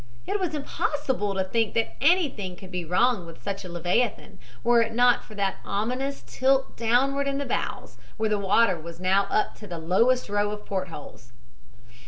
It was impossible to think anything could be wrong with such a leviathan, were it not for that ominous tilt downward in the bows, where the water was by now up to the lowest row of port holes.